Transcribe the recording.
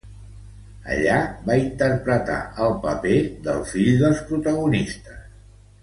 Allí va interpretar el paper del fill dels protagonistes.